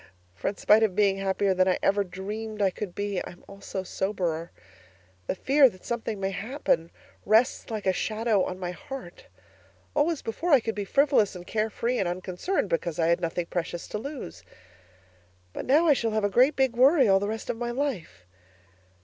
For in spite of being happier than I ever dreamed I could be, I'm also soberer. The fear that something may happen rests like a shadow on my heart. Always before I could be frivolous and care free and unconcerned, because I had nothing precious to lose. But now I shall have a Great Big Worry all the rest of my life.